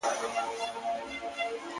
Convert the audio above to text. انساني کرامت تر سوال للاندي دی,